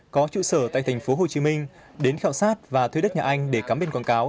có trụ sở tại thành phố hồ chí minh đến khảo sát và thuê đất nhà anh để cắm biển quảng cáo